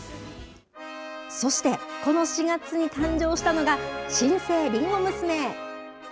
そして、この４月に誕生したのが、新生りんご娘。